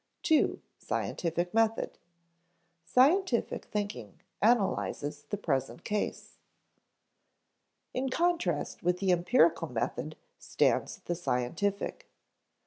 § 2. Scientific Method [Sidenote: Scientific thinking analyzes the present case] In contrast with the empirical method stands the scientific.